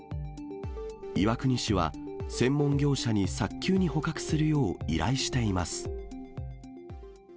岩国市は、専門業者に早急に捕獲するよう依頼しています。